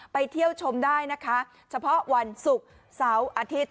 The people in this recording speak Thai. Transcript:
ไปเที่ยวชมได้นะคะเฉพาะวันศุกร์เสาร์อาทิตย์